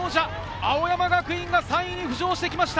青山学院が３位に浮上してきました。